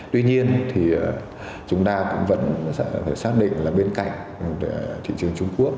tuy nhiên thì chúng ta cũng vẫn phải xác định là bên cạnh thị trường trung quốc